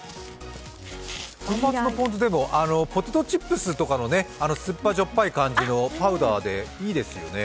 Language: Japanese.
粉末のポン酢、ポテトチップスとかの酸っぱじょっぱい感じをパウダーで、いいですよね。